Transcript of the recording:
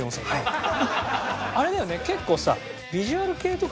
あれだよね結構さ。